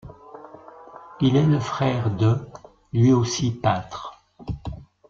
Il est le frère d', lui aussi peintre.